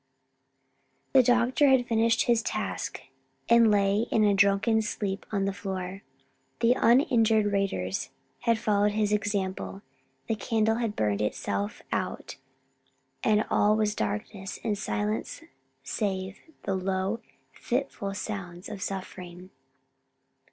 The doctor had finished his task, and lay in a drunken sleep on the floor. The uninjured raiders had followed his example, the candle had burned itself out and all was darkness and silence save the low, fitful sounds of suffering.